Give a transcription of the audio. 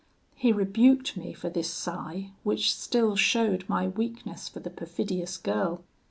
He rebuked me for this sigh, which still showed my weakness for the perfidious girl.